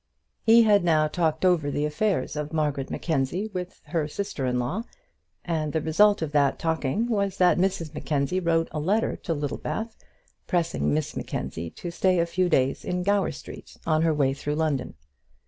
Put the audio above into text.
He had now talked over the affairs of Margaret Mackenzie with her sister in law, and the result of that talking was that Mrs Mackenzie wrote a letter to Littlebath, pressing Miss Mackenzie to stay a few days in Gower Street, on her way through London.